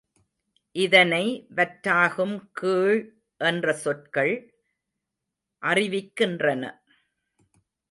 இதனை வற்றாகும் கீழ் என்ற சொற்கள் அறிவிக்கின்றன.